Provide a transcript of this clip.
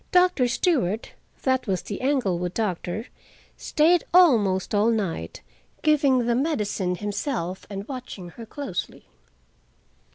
Doctor Stewart—that was the Englewood doctor—stayed almost all night, giving the medicine himself, and watching her closely.